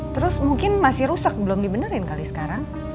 terus mungkin masih rusak belum dibenerin kali sekarang